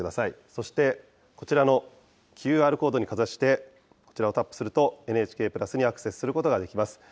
そして、こちらのＱＲコードにかざして、こちらをタップすると、ＮＨＫプラスにアクセスすることができます。